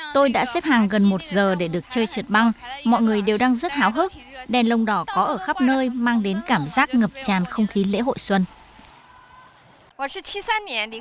tôi đã xếp hàng gần một giờ để được chơi trượt băng mọi người đều đang rất háo hức đèn lồng đỏ có ở khắp nơi mang đến cảm giác ngập tràn không khí lễ hội xuân